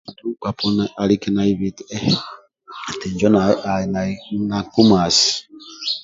Nkpa poni alike naibi eti ehh injo nau ali na nkumasi